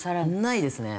ないですね。